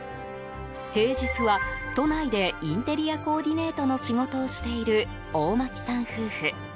平日は都内でインテリアコーディネートの仕事をしている、大巻さん夫婦。